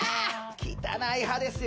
汚い歯ですよ